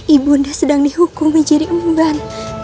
ibu unda sedang dihukumi jirikmban